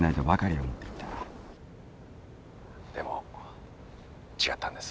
でも違ったんです。